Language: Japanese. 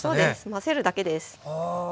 混ぜるだけです。